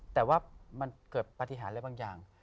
แต่ว่ามันเกิดปฏิหารอะไรบางอย่าง